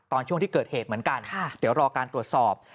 ช่วงที่เกิดเหตุเหมือนกันเดี๋ยวรอการตรวจสอบ